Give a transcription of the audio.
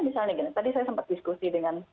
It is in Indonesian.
misalnya gini tadi saya sempat diskusi dengan